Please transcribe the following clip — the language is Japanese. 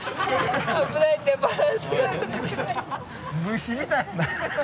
虫みたい。